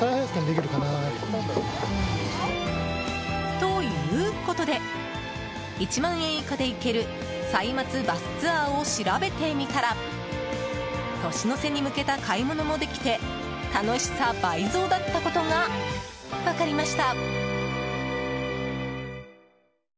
ということで１万円以下で行ける歳末バスツアーを調べてみたら年の瀬に向けた買い物もできて楽しさ倍増だったことが分かりました。